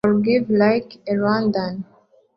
Forgive like a Rwandan”